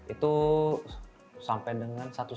itu sampai dengan satu lima juta per meter loh